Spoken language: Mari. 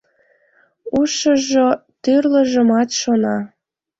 Ушыжо тӱрлыжымат шона...